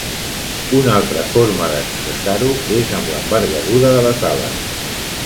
Una altra forma d'expressar-ho és amb l'envergadura de les ales.